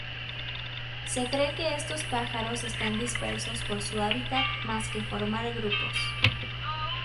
Se cree que estos pájaros están dispersos por su hábitat más que formar grupos.